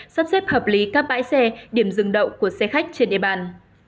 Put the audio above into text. sắp xếp hợp lý các bãi xe điểm dừng đậu của xe khách trên địa bàn